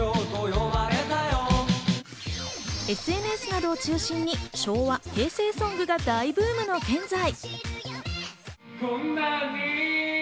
ＳＮＳなどを中心に昭和・平成ソングが大ブームの現在。